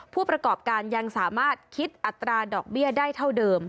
ผู้ประกอบการยังสามารถคิดอัตราดอกเบี้ยได้เท่าเดิม